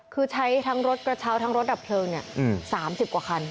คือใช้ทั้งรถกระเช้าทั้งรถดับเพลิง๓๐กว่าคัน